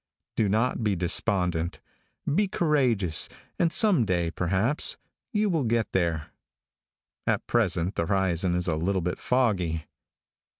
Do not be despondent. Be courageous, and some day, perhaps, you will get there. At present the horizon is a little bit foggy.